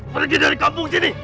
pergi dari kampung sini